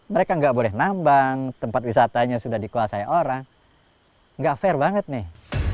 mereka nggak boleh nambang tempat wisatanya sudah dikuasai orang nggak fair banget nih